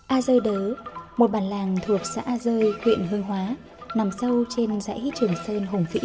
a dơi đỡ một bản làng thuộc xã a dơi huyện hương hóa nằm sâu trên dãy trường sơn hùng vĩ